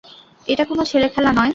এটা কোনো ছেলেখেলা নয়।